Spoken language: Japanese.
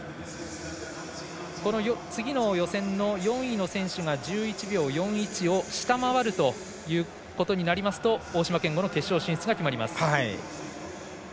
この次の予選の４位の選手が１１秒４１を下回るということになりますと大島健吾の決勝進出が決まります。